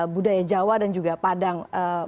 budaya jawa dan juga padang